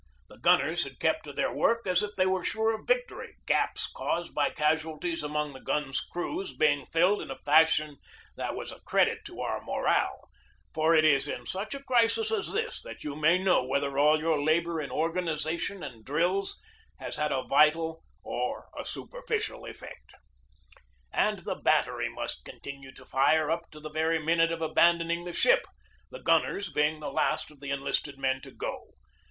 The gunners had kept to their work as if they were sure of victory, gaps caused by casualties among the guns' crews being filled in a fashion that was a credit to our morale; for it is in THE BATTLE OF PORT HUDSON 95 such a crisis as this that you may know whether all your labor in organization and drills has had a vital or a superficial effect. And the battery must continue to fire up to the very minute of abandoning the ship, the gunners being the last of the enlisted men to go.